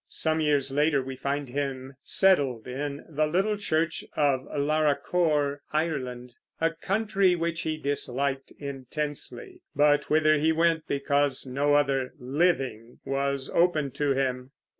Some years later we find him settled in the little church of Laracor, Ireland, a country which he disliked intensely, but whither he went because no other "living" was open to him.